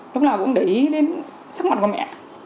lúc nào cũng để ý đến sắc mặt của mẹ